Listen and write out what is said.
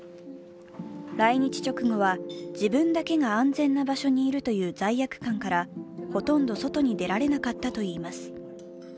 来日直後は自分だけが安全な場所にいるという罪悪感からほとんど外に出られなかったといいます。